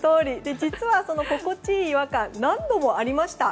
実は、その心地いい違和感何度もありました。